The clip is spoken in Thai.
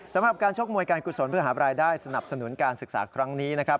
สำหรับการชกมวยการกุศลเพื่อหาบรายได้สนับสนุนการศึกษาครั้งนี้นะครับ